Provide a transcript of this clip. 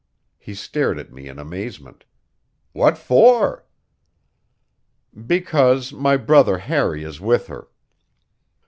He stared at me in amazement. "What for?" "Because my brother Harry is with her."